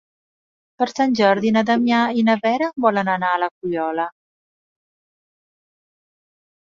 Per Sant Jordi na Damià i na Vera volen anar a la Fuliola.